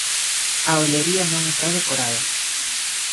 A olería non está decorada.